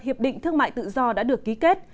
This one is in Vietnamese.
hiệp định thương mại tự do đã được ký kết